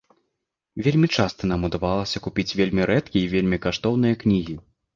Вельмі часта нам удавалася купіць вельмі рэдкія і вельмі каштоўныя кнігі.